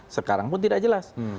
sekarang pun tidak jelas